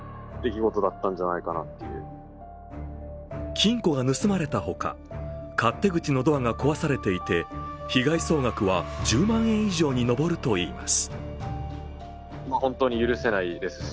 金庫が盗まれたほか、勝手口のドアが壊されていて、被害総額は１０万円以上に上るといいます。